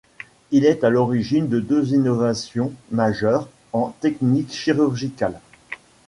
Il est à l'origine de deux innovations majeures en technique chirurgicale.